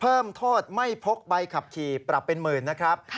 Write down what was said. เพิ่มโทษไม่พกใบขับขี่ปรับเป็นหมื่นนะครับ